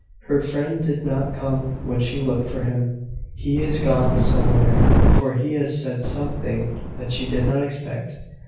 Her friend did not come when she looked for him, or he is gone somewhere, or he has said something that she did not expect.